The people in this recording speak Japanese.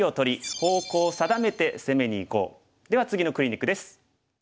では次のクリニックです。